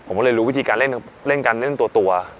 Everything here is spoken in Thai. ผมก็เลยรู้วิธีการเล่นการเล่นตัว